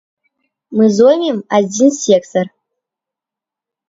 Мы зоймем адзін сектар.